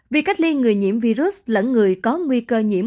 việc cách ly người nhiễm virus lẫn người có nguy cơ nhiễm